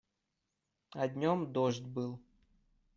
А днём дождь был.